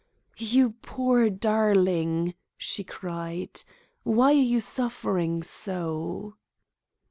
"You poor darling!" she cried. "Why are you suffering so?"